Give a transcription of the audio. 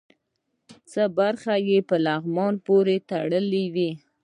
څه برخې یې په لغمان پورې تړلې وې.